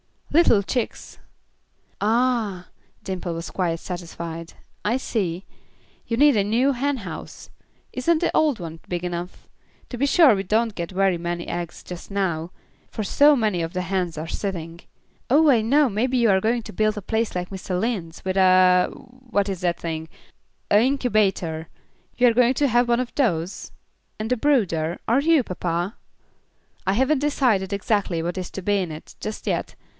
"Little chicks." "Ah!" Dimple was quite satisfied. "I see. You need a new hen house. Isn't the old one big enough? To be sure we don't get very many eggs just now, for so many of the hens are sitting. Oh, I know, maybe you are going to build a place like Mr. Lind's, with a what is that thing? A inkybator. Are you going to have one of those? and a brooder? Are you, papa?" "I haven't decided exactly what is to be in it, just yet.